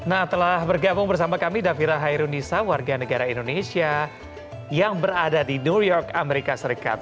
nah telah bergabung bersama kami davira hairunisa warga negara indonesia yang berada di new york amerika serikat